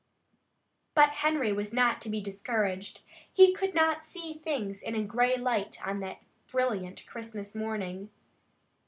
But Harry was not to be discouraged. He could not see things in a gray light on that brilliant Christmas morning.